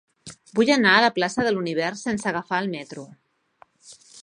Vull anar a la plaça de l'Univers sense agafar el metro.